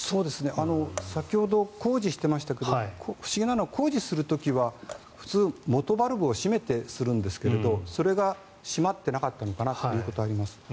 先ほど工事してましたが不思議なのは工事する時は普通、元バルブを締めてやるんですがそれが締まってなかったのかなということがあります。